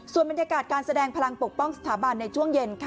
ส่วนบรรยากาศการแสดงพลังปกป้องสถาบันในช่วงเย็นค่ะ